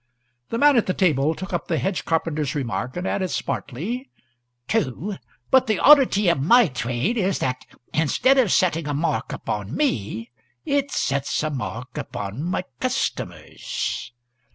The man at the table took up the hedge carpenter's remark, and added smartly, "True; but the oddity of my trade is that, instead of setting a mark upon me, it sets a mark upon my customers."